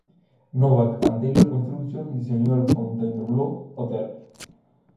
Novak and Taylor Construction diseñó el Fontainebleau Hotel.